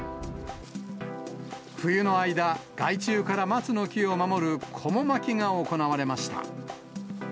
冬の間、害虫から松の木を守るこも巻きが行われました。